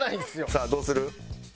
さあどうする？